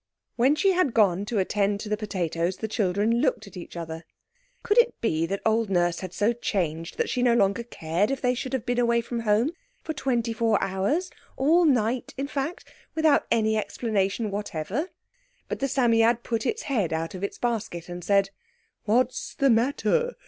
When she had gone to attend to the potatoes the children looked at each other. Could it be that old Nurse had so changed that she no longer cared that they should have been away from home for twenty four hours—all night in fact—without any explanation whatever? But the Psammead put its head out of its basket and said— "What's the matter?